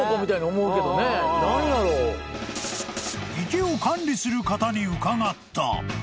［池を管理する方に伺った］